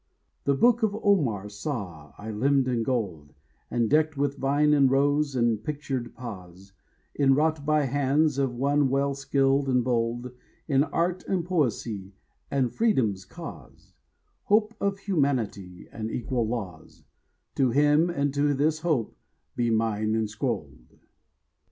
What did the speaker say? The Book of Omar saw I limned in gold, And decked with vine and rose and pictured pause, Enwrought by hands of one well skilled and bold In art and poesy and Freedom's cause— Hope of humanity and equal laws— To him and to this hope be mine enscrolled.